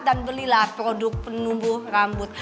dan belilah produk penumbuh rambut